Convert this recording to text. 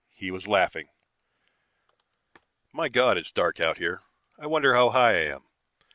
He was laughing ... "My God, it's dark out here. Wonder how high I am.